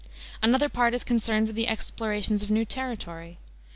Another part is concerned with the explorations of new territory.